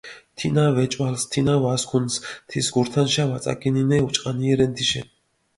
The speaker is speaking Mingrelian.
თინა ვეჭვალს, თინა ვასქუნს, თის გურთანშა ვაწაკინინე, უჭყანიე რენ თიშენ.